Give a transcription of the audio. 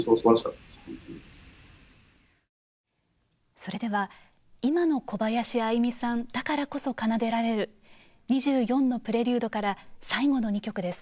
それでは今の小林愛実さんだからこそ奏でられる「２４のプレリュード」から最後の２曲です。